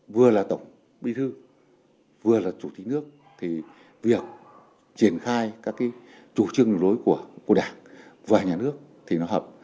vừa là tổng bí thư vừa là chủ tịch nước thì việc triển khai các chủ trương đường lối của đảng và nhà nước thì nó hợp